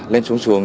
lên xuống xuồng